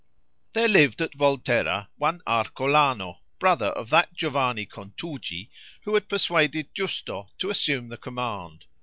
There lived at Volterra one Arcolano, brother of that Giovanni Contugi who had persuaded Giusto to assume the command.